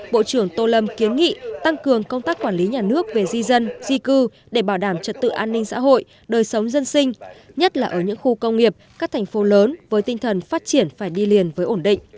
bộ trưởng tô lâm kiến nghị tăng cường công tác quản lý nhà nước về di dân di cư để bảo đảm trật tự an ninh xã hội đời sống dân sinh nhất là ở những khu công nghiệp các thành phố lớn với tinh thần phát triển phải đi liền với ổn định